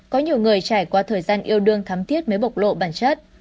có nhiều người trải qua thời gian yêu đương thắm thiết mới bộc lộ bản chất